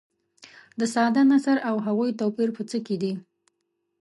د ساده نثر او هغوي توپیر په څه کې دي.